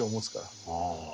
ああ。